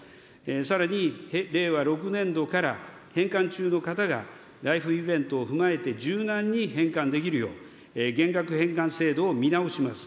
さらに、令和６年度から返還中の方がライフイベントを踏まえて、柔軟に返還できるよう、減額返還制度を見直します。